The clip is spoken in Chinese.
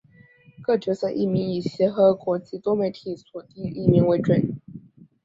各角色译名以协和国际多媒体所定译名为准。